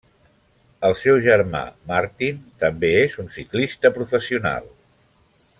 El seu germà Martin, també és un ciclista professional.